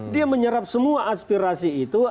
dia menyerap semua aspirasi itu